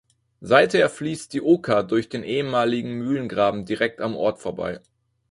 Seither fließt die Oker durch den ehemaligen Mühlengraben direkt am Ort vorbei.